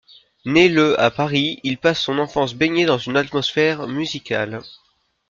Né le à Paris, il passe son enfance baigné dans une atmosphère musicale.